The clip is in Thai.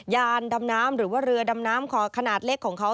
ยานดำน้ำหรือว่าเรือดำน้ำขอขนาดเล็กของเขา